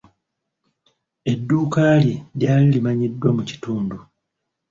Edduuka lye lyali limanyikiddwa mu kitundu.